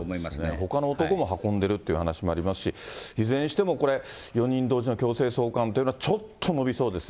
ほかの男も運んでるって話もありますし、いずれにしてもこれ、４人同時の強制送還というのはちょっと延びそうですね。